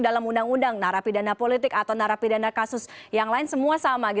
dalam undang undang narapidana politik atau narapidana kasus yang lain semua sama